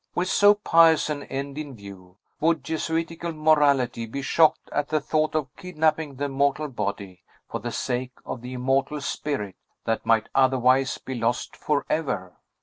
With so pious an end in view, would Jesuitical morality be shocked at the thought of kidnapping the mortal body, for the sake of the immortal spirit that might otherwise be lost forever?